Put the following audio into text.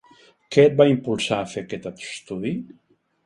Què et va impulsar a fer aquest estudi?